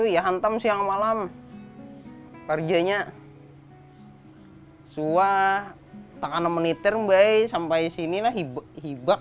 ya hantam siang malam kerjanya hai suah tak ada menitir mbak sampai sini nah hibak hibak